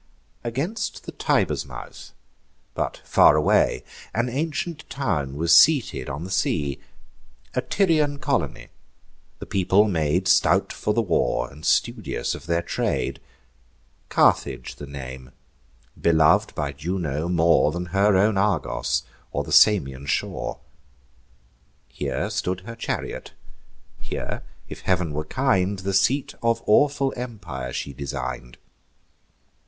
Against the Tiber's mouth, but far away, An ancient town was seated on the sea; A Tyrian colony; the people made Stout for the war, and studious of their trade: Carthage the name; belov'd by Juno more Than her own Argos, or the Samian shore. Here stood her chariot; here, if Heav'n were kind, The seat of awful empire she design'd.